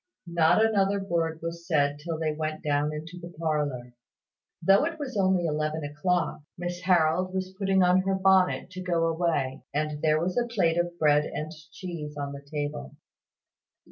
Not another word was said till they went down into the parlour. Though it was only eleven o'clock, Miss Harold was putting on her bonnet to go away: and there was a plate of bread and cheese on the table.